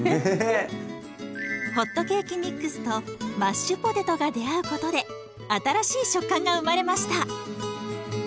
ホットケーキミックスとマッシュポテトが出会うことで新しい食感が生まれました。